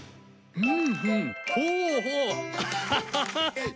うん？